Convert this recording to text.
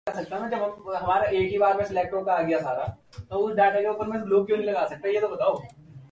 There he finds Jeter and his men waiting for him.